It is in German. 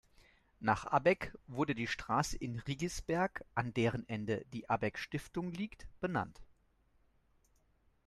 Nach Abegg wurde die Strasse in Riggisberg, an deren Ende die Abegg-Stiftung liegt, benannt.